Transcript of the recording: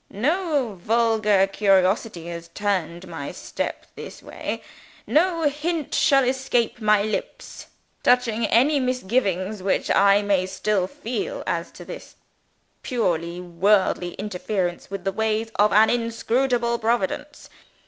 No vulgar curiosity has turned my steps this way. No hint shall escape my lips, touching any misgivings which I may still feel as to this purely worldly interference with the ways of an inscrutable Providence.